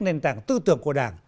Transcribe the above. nền tảng tư tưởng của đảng